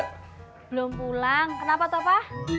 belum pulang kenapa tuh pa